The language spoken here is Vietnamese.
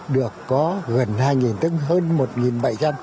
được có gần hai tức hơn một bảy trăm linh